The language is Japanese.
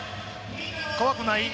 怖くない？